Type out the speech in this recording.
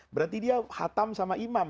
berarti dia khatam sama imam